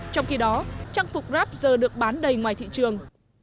trong khi đó trang phục grab giờ được bán đầy ngoài thị trường